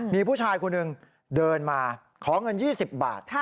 มีผู้ชายคนหนึ่งเดินมาขอเงิน๒๐บาท